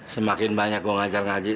semakin banyak gue ngajar ngaji